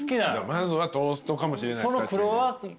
まずはトーストかもしれない確かに。